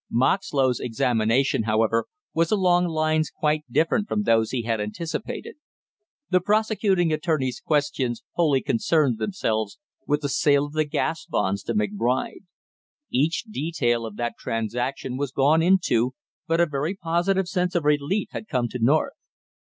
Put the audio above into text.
Moxlow's examination, however, was along lines quite different from those he had anticipated. The prosecuting attorney's questions wholly concerned themselves with the sale of the gas bonds to McBride; each detail of that transaction was gone into, but a very positive sense of relief had come to North.